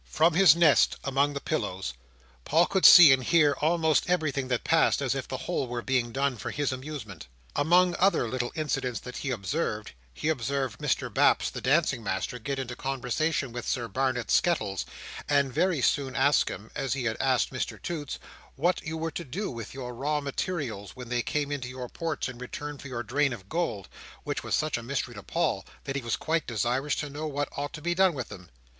From his nest among the pillows, Paul could see and hear almost everything that passed as if the whole were being done for his amusement. Among other little incidents that he observed, he observed Mr Baps the dancing master get into conversation with Sir Barnet Skettles, and very soon ask him, as he had asked Mr Toots, what you were to do with your raw materials, when they came into your ports in return for your drain of gold—which was such a mystery to Paul that he was quite desirous to know what ought to be done with them.